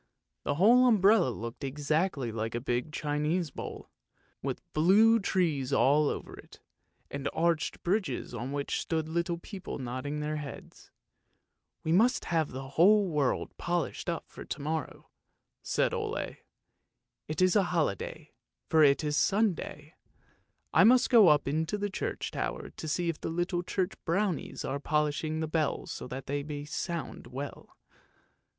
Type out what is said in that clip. " The whole umbrella looked exactly like a big Chinese bowl, with blue trees all over it, and arched bridges on which stood little people nodding their heads. " We must have the whole world polished up for to morrow," said Ole; " it is a holiday, for it is Sunday. I must go up into the church tower to see if the little church brownies are polishing the bells so that they may sound well.